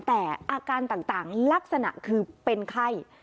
แต่อาการต่างลักษณะคือเป็นไข้